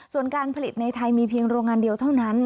ส่วนการผลิตในไทยมีเพียงโรงงานเดียวเท่านั้น